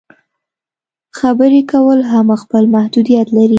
خبرې کول هم خپل محدودیت لري.